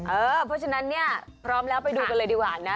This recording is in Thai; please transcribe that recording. เพราะฉะนั้นเนี่ยพร้อมแล้วไปดูกันเลยดีกว่านะ